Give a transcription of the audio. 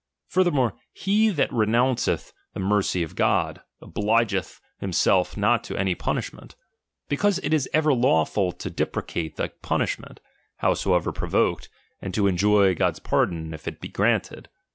Furthermore, he that renounceth the mercy of God, obligeth himself not to any punish ment ; because it is ever lawful to deprecate the punishment, howsoever provoked, and to enjoy God's pardon if it be granted.